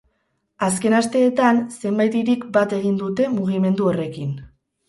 Azken asteetan, zenbait hirik bat egin dute mugimendu horrekin.